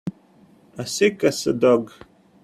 As sick as a dog.